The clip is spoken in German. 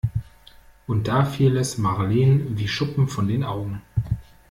Und da fiel es Marleen wie Schuppen von den Augen.